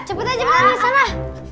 cepet aja malah nih sana